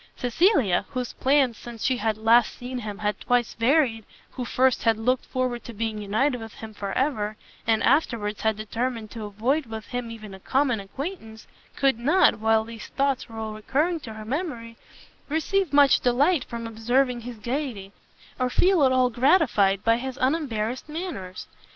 Cecilia, whose plans since she had last seen him had twice varied, who first had looked forward to being united with him for ever, and afterwards had determined to avoid with him even a common acquaintance, could not, while these thoughts were all recurring to her memory, receive much delight from observing his gaiety, or feel at all gratified by his unembarrassed manners.